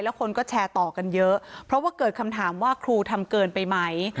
คนก็แชร์ต่อกันเยอะเพราะว่าเกิดคำถามว่าครูทำเกินไปไหม